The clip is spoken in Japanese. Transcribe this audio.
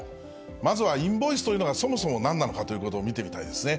まずはインボイスというのがそもそもなんなのかということを見てみたいですね。